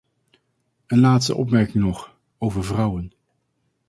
Een laatste opmerking nog, over vrouwen.